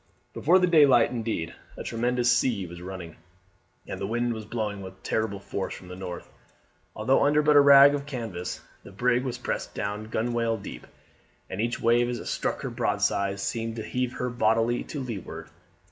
Before the daylight, indeed, a tremendous sea was running, and the wind was blowing with terrible force from the north. Although under but a rag of canvas the brig was pressed down gunwale deep, and each wave as it struck her broadside seemed to heave her bodily to leeward.